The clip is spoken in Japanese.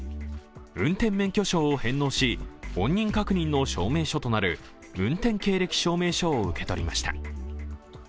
運転免許証を返納し、本人確認の証明書となる運転経歴証明書を受け取りました。